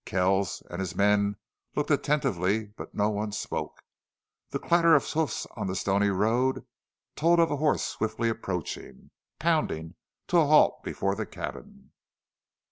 Kells and his men looked attentively, but no one spoke. The clatter of hoofs on the stony road told of a horse swiftly approaching pounding to a halt before the cabin.